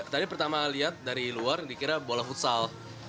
tadi pertama lihat dari luar dikira bola futsal